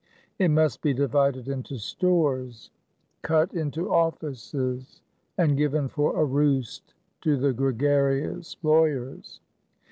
It must be divided into stores; cut into offices; and given for a roost to the gregarious lawyers.